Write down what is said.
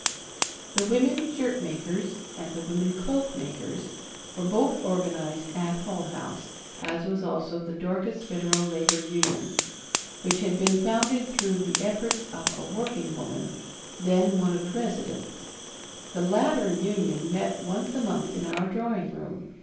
The women shirt makers and the women cloak makers were both organized at Hull House as was also the Dorcas Federal Labor Union, which had been founded through the efforts of a working woman, then one of the residents. The latter union met once a month in our drawing room.